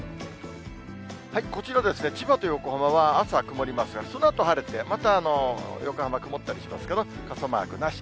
こちら、千葉と横浜は朝は曇りますが、そのあと晴れて、また横浜、曇ったりしますけど、傘マークなし。